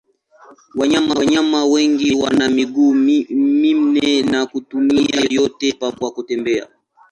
Wanyama wengi wana miguu minne na kuitumia yote pamoja kwa kutembea.